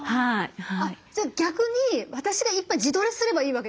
じゃあ逆に私がいっぱい自撮りすればいいわけですね。